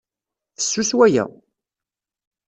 Fessus waya!